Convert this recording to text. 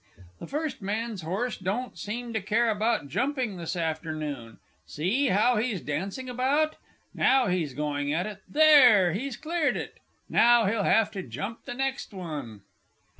The first man's horse don't seem to care about jumping this afternoon see how he's dancing about. Now he's going at it there, he's cleared it! Now he'll have to jump the next one!